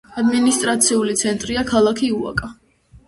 ადმინისტრაციული ცენტრია ქალაქი უაკა.